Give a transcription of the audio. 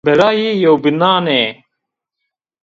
Birayê yewbînan ê